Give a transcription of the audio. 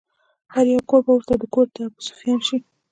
هر يو کور به ورته کور د ابوسفيان شي